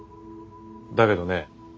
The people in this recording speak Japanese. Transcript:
だけどね。